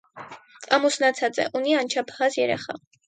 Ամուսնացած է, ունի անչափահաս երեխա։